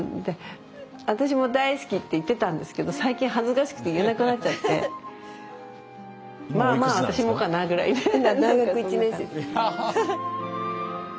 「私も大好き」って言ってたんですけど最近恥ずかしくて言えなくなっちゃって「まあまあ私もかな」ぐらいでなんかそんな感じ。